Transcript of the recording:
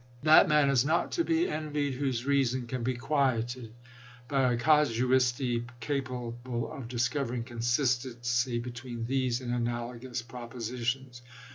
That man is not to be envied whose reason can be qnieted by a casuistry capable of discovering consistency between these and analogous proposi tions.